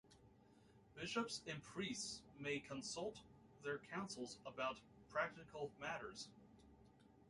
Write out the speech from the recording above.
Bishops and priests may consult their councils about practical matters.